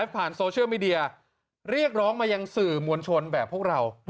ผ่านโซเชียลมีเดียเรียกร้องมายังสื่อมวลชนแบบพวกเรา